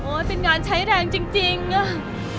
โอ้ยเป็นงานใช้แรงจริงจริงอ่ะ